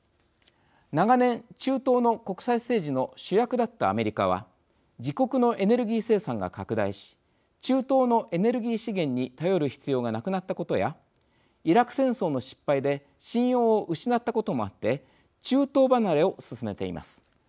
長年、中東の国際政治の主役だったアメリカは自国のエネルギー生産が拡大し中東のエネルギー資源に頼る必要がなくなったことやイラク戦争の失敗で信用を失ったこともあって中東離れを進めています。